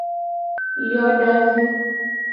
Yodavi.